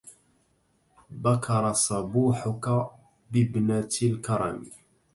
بكر صبوحك بابنة الكرم